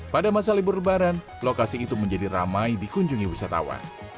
pada masa libur lebaran lokasi itu menjadi ramai dikunjungi wisatawan